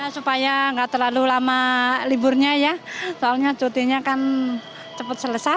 supaya nggak terlalu lama liburnya ya soalnya cutinya kan cepat selesai